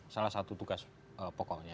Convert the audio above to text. salah satu tugas pokoknya